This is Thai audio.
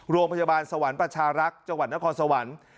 โรงพยาบาลสวรรค์ประชารักษ์จังหวัดนครสวรรค์